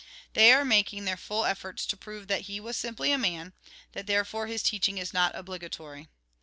They are making their full efforts to prove that he was simply a man, that, therefore, his teaching is not obligatory.